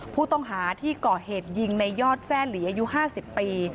ผู้ต้องหาที่ก่อเหตุยิงในยอดแทร่หลีอายุ๕๐ปี